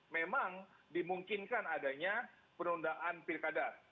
memang dimungkinkan adanya penundaan pilkada